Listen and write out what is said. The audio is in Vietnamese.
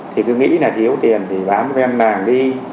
thì cứ nghĩ là thiếu tiền thì bán bên làng đi